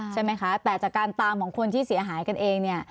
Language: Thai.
ใช่ไหมคะแต่จากการตามของคนที่เสียหายกันเองเนี่ย